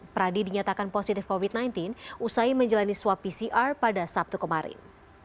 pradi dinyatakan positif covid sembilan belas usai menjalani swab pcr pada sabtu kemarin